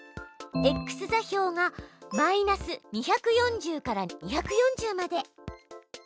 ｘ座標が−２４０から２４０まで。